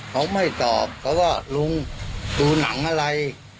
เขาไม่ตอบเขาว่าลุงดูหนังอะไร